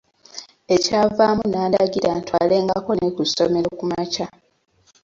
Ekyavaamu n'andagira ntwalengako ne ku ssomero kumakya.